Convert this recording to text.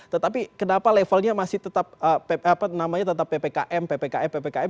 tetapi kenapa levelnya masih tetap ppkm ppkm ppkm